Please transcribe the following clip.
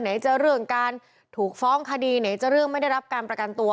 จะเรื่องการถูกฟ้องคดีไหนจะเรื่องไม่ได้รับการประกันตัว